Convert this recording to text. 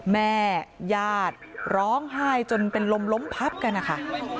แม่ญาติร้องไห้จนเป็นลมล้มพับกันนะคะ